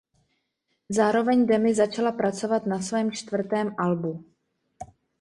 Zároveň Demi začala pracovat na svém čtvrtém albu.